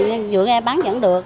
nhưng mà bán vẫn được